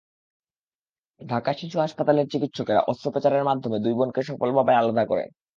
ঢাকা শিশু হাসপাতালের চিকিৎসকেরা অস্ত্রোপচারের মাধ্যমে দুই বোনকে সফলভাবে আলাদা করেন।